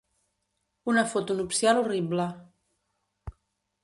Una foto nupcial horrible.